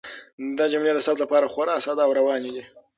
دا جملې د ثبت لپاره خورا ساده او روانې دي.